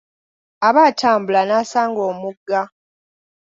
Aba atambula n'asanga omugga.